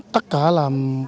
tất cả là